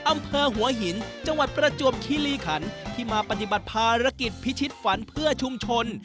อำเภอหัวหินจังหวัดประจวบคิริขันที่มาปฏิบัติภารกิจพิชิตฝันเพื่อชุมชน